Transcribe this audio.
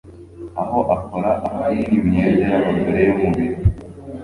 aho akora ahanini imyenda y'abagore yo mu birori